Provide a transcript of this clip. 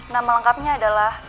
nama lengkapnya adalah